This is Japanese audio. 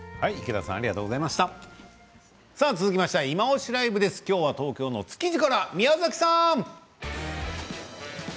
続きまして「いまオシ！ＬＩＶＥ」です。今日は東京の築地から宮崎さん。